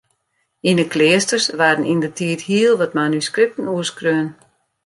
Yn 'e kleasters waarden yndertiid hiel wat manuskripten oerskreaun.